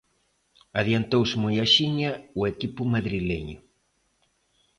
Adiantouse moi axiña o equipo madrileño.